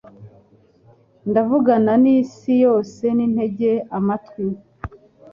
Ndavugana n'isi yose nintege amatwi